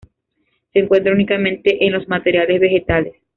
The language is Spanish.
Se encuentran únicamente en los materiales vegetales.